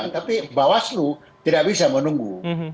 tapi bawaslu tidak bisa menunggu